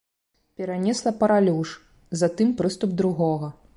Перанесла паралюш, затым прыступ другога.